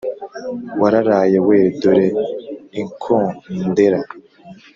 wararaye we! dore ikondera.